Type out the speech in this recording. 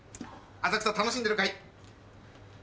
浅草楽しんでるかい？